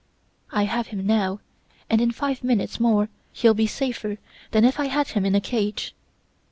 I have him now and in five minutes more he'll be safer than if I had him in a cage.